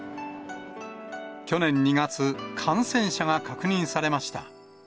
去年２月、感染者が確認されました。